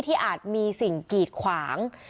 อาจมีสิ่งกีดขวาง